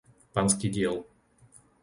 Panský diel